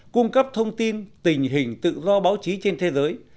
cung cấp thông tin tình hình tự do báo chí trên thế giới